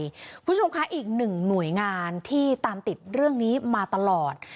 คุณผู้ชมคะอีกหนึ่งหน่วยงานที่ตามติดเรื่องนี้มาตลอด